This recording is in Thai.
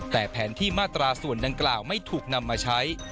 แต่แผนที่มาตราส่วนดังกล่าวไม่ถูกนำมาใช้